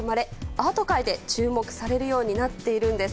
アート界で注目されるようになっているんです。